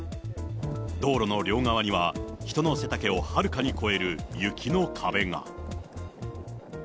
道路の両側には人の背丈をはるかに越える雪の壁が。